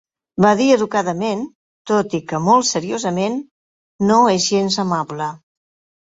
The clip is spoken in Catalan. Va dir educadament, tot i que molt seriosament: "no és gens amable".